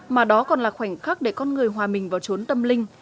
mà đó còn là khoảnh khắc để con người hòa mình vào trốn tâm linh